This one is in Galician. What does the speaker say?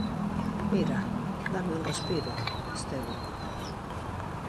Mira, dáme un respiro, Estevo.